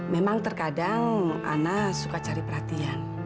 memang terkadang ana suka cari perhatian